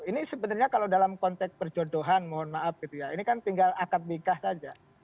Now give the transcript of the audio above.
ini sebenarnya kalau dalam konteks perjodohan mohon maaf gitu ya ini kan tinggal akad nikah saja